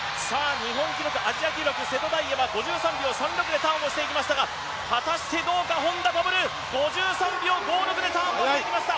日本記録、アジア記録の選手は５３秒３６でターンしていきましたが果たしてどうか、本多灯、５３秒５６でターンをしていきました